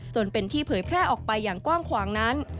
จนเป็นที่เผยแพร่ออกไปอย่างกว้างขวางนั้น